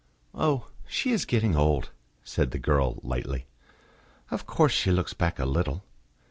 "Oh! she is getting old," said the girl lightly. "Of course she looks back a little."